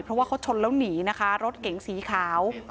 เพราะว่าเขาชนแล้วหนีนะคะรถเก๋งสีขาว